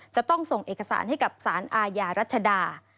จะต้องส่งเอกสารให้กับสารอาญารัชดา